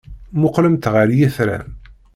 Mmuqqlemt ɣer yitran.